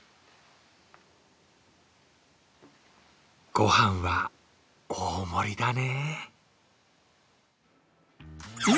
ご飯は大盛りだね。